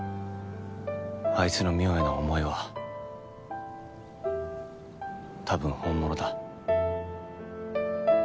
あいつの望緒への思いは多分本物だ。